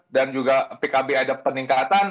dan juga pkb ada peningkatan